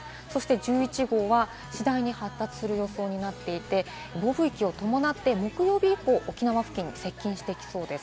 １１号は次第に発達する予想になっていて、暴風域を伴って木曜日以降、沖縄付近に接近していきそうです。